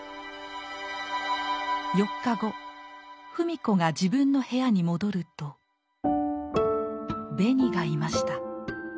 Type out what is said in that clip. ４日後芙美子が自分の部屋に戻るとベニがいました。